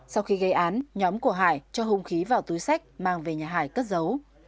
sau khi gây án nhóm của hải cho hung khí vào túi sách mang về nhà hải cất dấu